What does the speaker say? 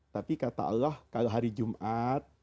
tapi kata allah kalau hari jumat